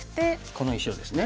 この石をですね。